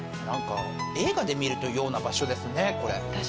何か映画で見るような場所ですねこれ。